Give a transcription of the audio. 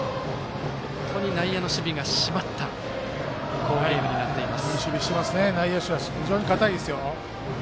本当に内野の守備が締まった好ゲームになっています。